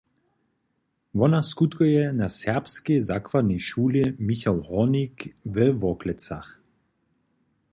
Wona skutkuje na Serbskej zakładnej šuli „Michał Hórnik“ we Worklecach.